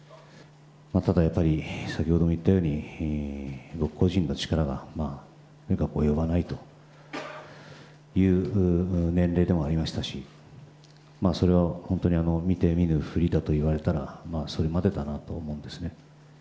ただやっぱり、先ほども言ったように、僕個人の力が目が及ばないという年齢でもありましたし、それは本当に、見て見ぬふりだといわれたらまあ、それまでだと思うんですね。